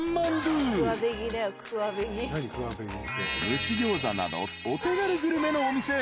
［蒸しギョーザなどお手軽グルメのお店］